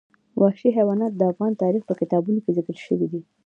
وحشي حیوانات د افغان تاریخ په کتابونو کې ذکر شوی دي.